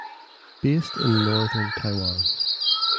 Based in Northern Taiwan.